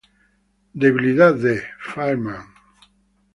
Debilidad de: Fire Man.